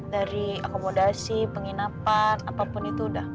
dari akomodasi penginapan apapun itu udah